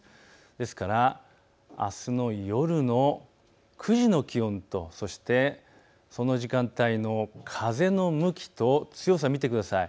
ですからあすの夜の９時の気温とそしてその時間帯の風の向きと強さを見てください。